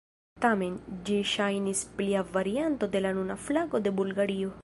Tamen, ĝi ŝajnis plia varianto de la nuna flago de Bulgario.